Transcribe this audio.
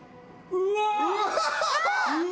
うわ！